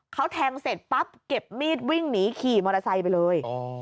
เขาแทงเสร็จปั๊บเก็บมีดวิ่งหนีขี่มอเตอร์ไซค์ไปเลย